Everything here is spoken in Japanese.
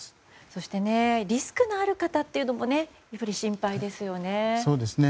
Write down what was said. そしてリスクのある方というのもやっぱり心配ですよね。